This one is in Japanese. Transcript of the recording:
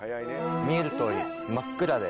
見える通り真っ暗です。